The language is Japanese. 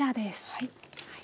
はい。